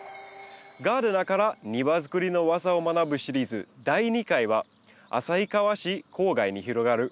ガーデナーから庭づくりの技を学ぶシリーズ第２回は旭川市郊外に広がる